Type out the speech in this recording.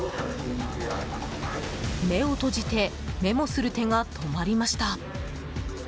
目を閉じてメモする手が止まりました。